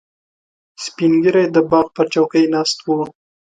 سپین ږیری د باغ پر چوکۍ ناست و.